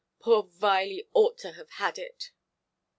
Poor Viley ought to have had it".